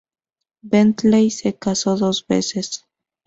Bentley se casó dos veces.